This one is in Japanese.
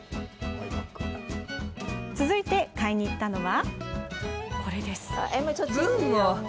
続いて買いに行ったのは。